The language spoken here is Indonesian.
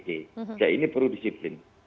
jadi ini perlu disiplin